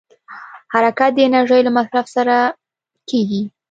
حرکت د انرژۍ له مصرف سره کېږي.